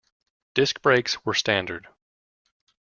Disc brakes were standard.